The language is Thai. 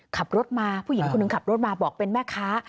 ขับรถมาผู้หญิงคนหนึ่งขับรถมาบอกเป็นแม่ค้า